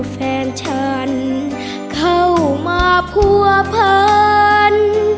แฟนฉันเข้ามาผัวพัน